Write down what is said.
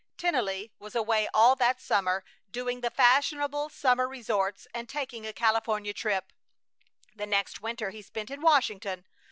Tennelly was away all that summer, doing the fashionable summer resorts and taking a California trip. The next winter he spent in Washington.